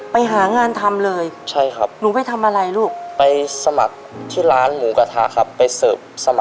ไปหางานทำเลย